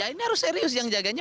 ini harus serius yang jaganya